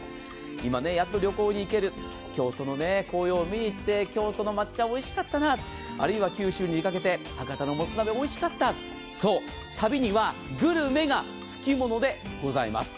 今やっと旅行に行ける京都の紅葉を見に行って京都の抹茶おいしかったな、あるいは九州に出かけて、博多のもつ鍋おいしかった、そう、旅にはグルメがつきものでございます。